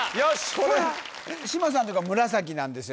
これ嶋さんとか紫なんですよ